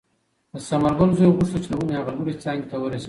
د ثمرګل زوی غوښتل چې د ونې هغې لوړې څانګې ته ورسېږي.